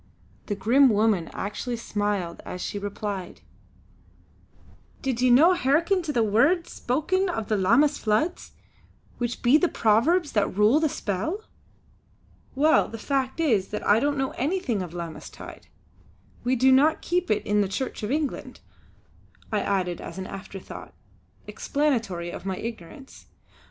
The grim woman actually smiled as she replied: "Did ye no hearken to the words spoken of the Lammas floods, which be of the Powers that rule the Spell?" "Well, the fact is that I don't know anything of 'Lammas tide!' We do not keep it in the Church of England," I added as an afterthought, explanatory of my ignorance.